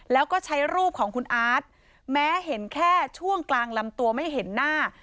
แล้วก็ใช้รูปของคุณอาร์ตแม้เห็นแค่ช่วงกลางลำตัวไม่เห็นหน้า